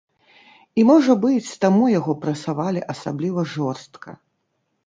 І можа быць, таму яго прэсавалі асабліва жорстка.